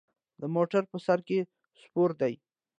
د موټر په سر کې سپور دی.